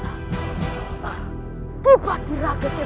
sampai jumpa di video selanjutnya